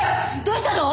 どうしたの！？